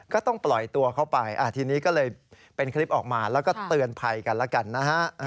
ก็ต้องปล่อยตัวเข้าไปทีนี้ก็เลยเป็นคลิปออกมาแล้วก็เตือนภัยกันแล้วกันนะฮะ